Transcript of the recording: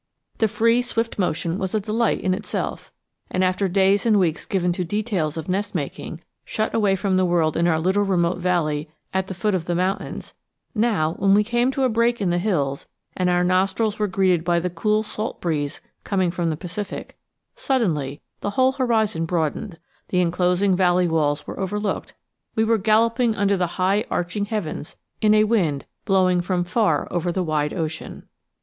The free swift motion was a delight in itself, and after days and weeks given to the details of nest making, shut away from the world in our little remote valley at the foot of the mountains, now, when we came to a break in the hills and our nostrils were greeted by the cool salt breeze coming from the Pacific, suddenly the whole horizon broadened; the inclosing valley walls were overlooked; we were galloping under the high arching heavens in a wind blowing from far over the wide ocean.